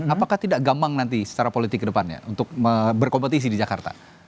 apakah tidak gampang nanti secara politik ke depannya untuk berkompetisi di jakarta